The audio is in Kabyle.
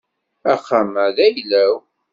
Axxam-a d ayla-w.